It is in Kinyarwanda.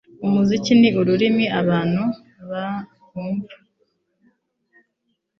Umuziki ni ururimi abantu bumva.